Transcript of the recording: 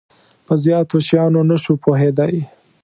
په زیاتو شیانو نه شو پوهیدای.